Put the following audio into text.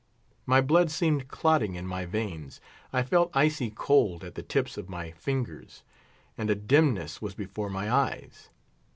My blood seemed clotting in my veins; I felt icy cold at the tips of my fingers, and a dimness was before my eyes.